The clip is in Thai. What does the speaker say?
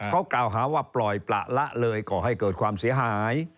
เขากล่าวหาว่าปล่อยประละเลยก่อให้เกิดความเสียหาย